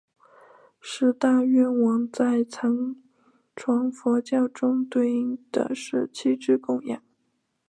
十大愿王在藏传佛教中对应的是七支供养。